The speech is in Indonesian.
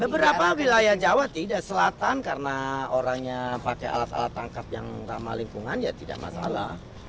beberapa wilayah jawa tidak selatan karena orangnya pakai alat alat tangkap yang ramah lingkungan ya tidak masalah